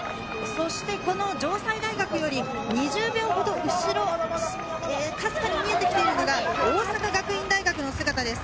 そして城西大学より２０秒ほど後ろ、かすかに見えてきているのが大阪学院大学の姿です。